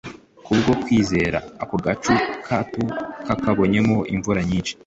Kubwo kwizera ako gacu gato yakabonyemo imvura nyinshi